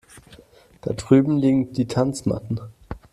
Da drüben liegen die Tanzmatten.